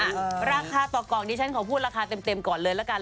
ราคาต่อกล่องดิฉันขอพูดราคาเต็มก่อนเลยละกัน